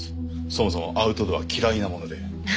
そもそもアウトドア嫌いなもので。